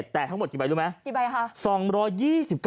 แต่ทั้งหมดกี่ใบรู้ไหม